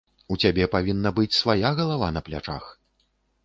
У цябе павінна быць свая галава на плячах.